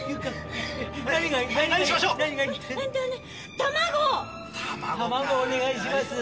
卵お願いします。